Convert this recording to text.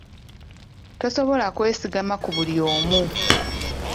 Tosobola kwesigama ku buli omu.